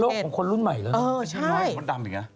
เลือกส่งของคนรุ่นใหม่เลยนะ